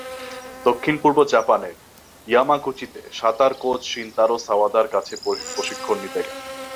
দক্ষিণ–পূর্ব জাপানের ইয়ামাগুচিতে সাঁতার coach Shintaro সাওয়াদার কাছে প্রশিক্ষণ নিতে গেলেন।